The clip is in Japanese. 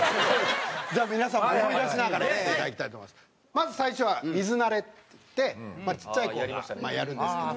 まず最初は水慣れってちっちゃい子がやるんですけど。